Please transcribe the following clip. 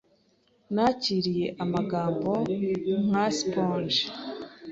Nakiriye amagambo nka sponge